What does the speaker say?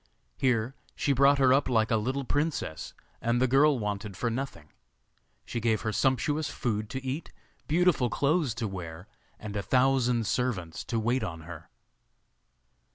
Here she brought her up like a little princess, and the child wanted for nothing. She gave her sumptuous food to eat, beautiful clothes to wear, and a thousand servants to wait on her.